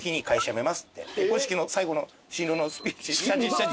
結婚式の最後の新郎のスピーチ。